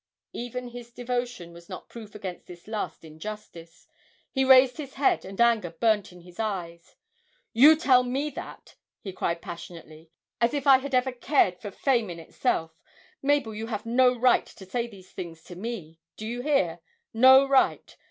Even his devotion was not proof against this last injustice; he raised his head, and anger burnt in his eyes. 'You tell me that!' he cried passionately. 'As if I had ever cared for Fame in itself! Mabel, you have no right to say these things to me do you hear? no right!